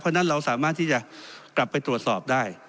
เพราะฉะนั้นเราสามารถที่จะกลับไปตรวจสอบได้